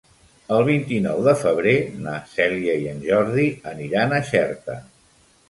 El vint-i-nou de febrer na Cèlia i en Jordi aniran a Xerta.